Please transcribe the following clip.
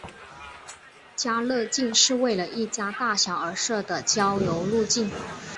家乐径是为了一家大小而设的郊游路径。